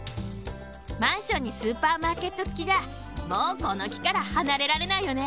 マンションにスーパーマーケットつきじゃもうこのきからはなれられないよね！